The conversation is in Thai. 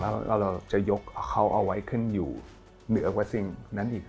แล้วเราจะยกเขาเอาไว้ขึ้นอยู่เหนือกว่าสิ่งนั้นอีก